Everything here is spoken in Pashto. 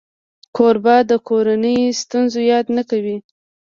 کوربه د کورنۍ ستونزو یاد نه کوي.